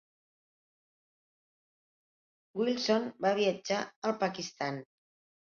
Wilson va viatjar al Pakistan.